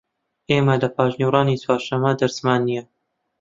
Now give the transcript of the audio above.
ئێمە لە پاشنیوەڕۆیانی چوارشەممە دەرسمان نییە.